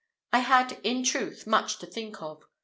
I had, in truth, much to think of.